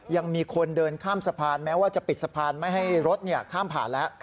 ยังมีคนเดินข้ามสะพานแม้ว่าจะปิดสะพานไม่ให้รถข้ามผ่านแล้ว